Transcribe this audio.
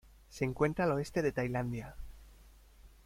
Se encuentra al oeste de Tailandia.